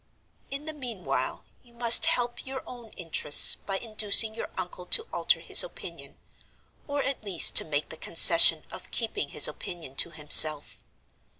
"In the meanwhile, you must help your own interests by inducing your uncle to alter his opinion, or at least to make the concession of keeping his opinion to himself.